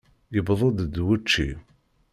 Yewweḍ-d wučči.